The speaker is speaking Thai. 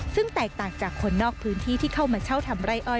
ซึ่งแตกต่างจากคนนอกพื้นที่ที่เข้ามาเช่าทำไร่อ้อย